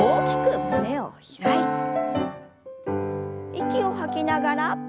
息を吐きながら。